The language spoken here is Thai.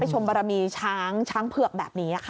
ชมบารมีช้างช้างเผือกแบบนี้ค่ะ